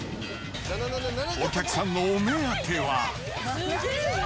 お客さんのお目当ては。